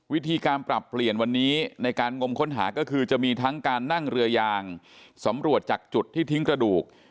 วิธีการปรับเปลี่ยนวันนี้ในการงมค้นหาก็คือจะมีทั้งการนั่งเรือยางสำรวจจากจุดที่ทิ้งกระดูก